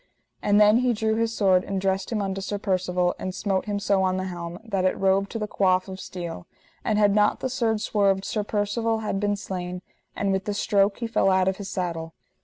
And then he drew his sword, and dressed him unto Sir Percivale, and smote him so on the helm, that it rove to the coif of steel; and had not the sword swerved Sir Percivale had been slain, and with the stroke he fell out of his saddle.